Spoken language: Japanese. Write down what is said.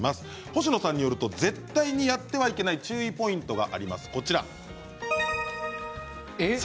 星野さんによると絶対にやってはいけない注意ポイントがあるんです。